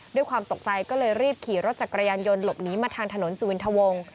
ด้วยความตกใจก็เลยรีบขี่รถจักรยานยนต์หลบหนีมาทางถนนสุวินทะวง